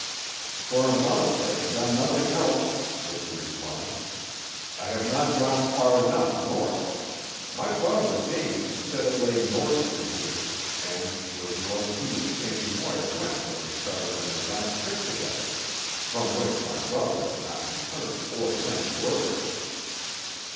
"For a month I have done nothing else," was the reply. "I have not gone far enough north. My brother James said it lay north from here; and 'twas north he and Shanty Moir went when they started on their last trip together, from which my brother did not return or send word."